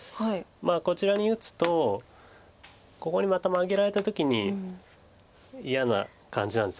こちらに打つとここにまたマゲられた時に嫌な感じなんです。